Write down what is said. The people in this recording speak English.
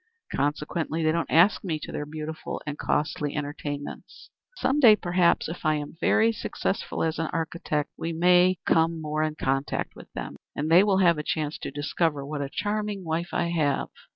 Consequently they do not ask me to their beautiful and costly entertainments. Some day, perhaps, if I am very successful as an architect, we may come more in contact with them, and they will have a chance to discover what a charming wife I have.